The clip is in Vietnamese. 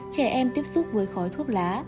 trẻ em tiếp xúc với khói thuốc lá